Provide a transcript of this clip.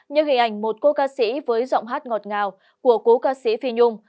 như hình ảnh một cô ca sĩ với giọng hát ngọt ngào của cố ca sĩ phi nhung